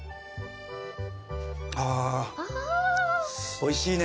おいしいね。